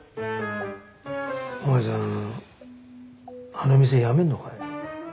お前さんあの店辞めるのかい？